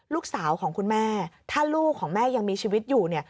ลูกสาวของคุณแม่ถ้าลูกของแม่ยังมีชีวิตอยู่เนี่ย